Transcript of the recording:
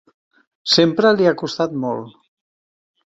Sempre li ha costat molt.